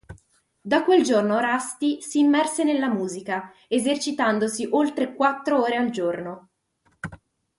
Da quel giorno Rusty si immerse nella musica, esercitandosi oltre quattro ore al giorno.